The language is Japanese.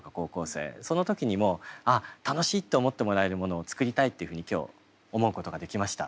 その時にもあっ楽しいって思ってもらえるものを作りたいっていうふうに今日思うことができました。